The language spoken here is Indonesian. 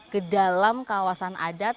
ke dalam kawasan adat